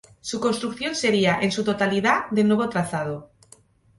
Su construcción sería en su totalidad de nuevo trazado.